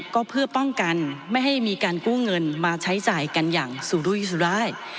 ก็เพื่อป้องกันไม่ให้มีการกู้เงินมาใช้จ่ายกันอย่างสุรุยสุราย